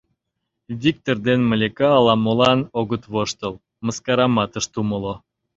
Виктыр ден Малика ала-молан огыт воштыл, мыскарамат ышт умыло.